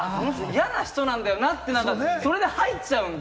嫌な人なんだなって入っちゃうんで。